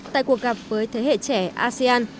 tại cuộc gặp với thế hệ trẻ asean